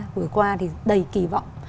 vừa qua thì đầy kỳ vọng